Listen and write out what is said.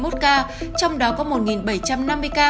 trong đó có một bảy trăm năm mươi ca